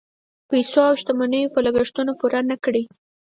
پیسو او شتمنیو به لګښتونه پوره نه کړي.